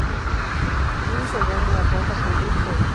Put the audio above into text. Lily se encuentra en la planta con Lu Chen.